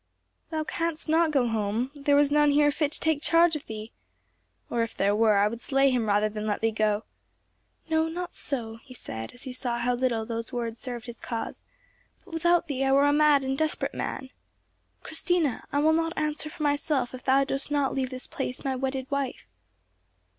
"Thou canst not go home; there is none here fit to take charge of thee. Or if there were, I would slay him rather than let thee go. No, not so," he said, as he saw how little those words served his cause; "but without thee I were a mad and desperate man. Christina, I will not answer for myself if thou dost not leave this place my wedded wife."